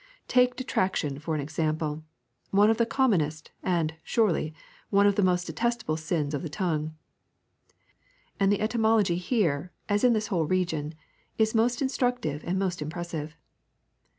Take detraction for an example, one of the commonest, and, surely, one of the most detestable of the sins of the tongue. And the etymology here, as in this whole region, is most instructive and most impressive.